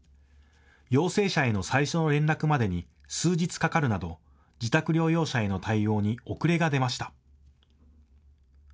陽性者への最初の連絡までに数日かかるなど自宅療養者への対応に遅れが出ました。